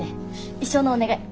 一生のお願い。